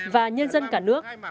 và nhân dân cả nước